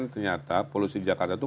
ternyata polusi jakarta itu